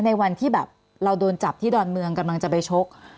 ในวันที่แบบเราโดนจับที่ดอนเมืองกำลังจะไปชก